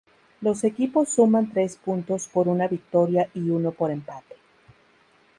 Los equipos suman tres puntos por una victoria y uno por empate.